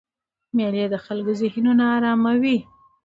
مېلې د خلکو ذهنونه آراموي.